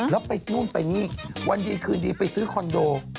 แล้วไปนู่นไปนี่วันดีคืนดีไปซื้อคอนโด